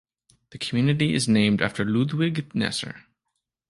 The community is named after Ludwig Nesser.